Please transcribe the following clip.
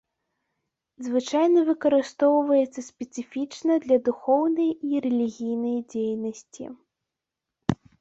Звычайна выкарыстоўваецца спецыфічна для духоўнай і рэлігійнай дзейнасці.